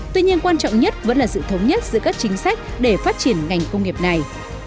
tuy nhiên quan trọng nhất vẫn là sự thống nhất giữa các chính sách để phát triển ngành công nghiệp này